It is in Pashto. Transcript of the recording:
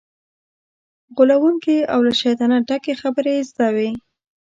غولونکې او له شیطانت ډکې خبرې یې زده وي.